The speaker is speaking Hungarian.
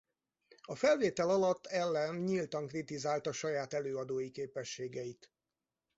A felvétel alatt Allen nyíltan kritizálta saját előadói képességeit.